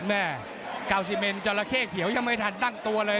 แม่กาวซิเมนจราเข้เขียวยังไม่ทันตั้งตัวเลย